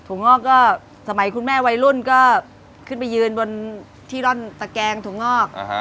งอกก็สมัยคุณแม่วัยรุ่นก็ขึ้นไปยืนบนที่ร่อนตะแกงถุงงอก